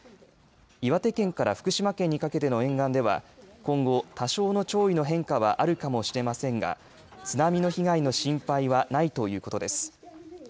岩手県から福島県にかけての沿岸では今後、多少の潮位の変化はあるかもしれませんが津波の被害の心配はないということです。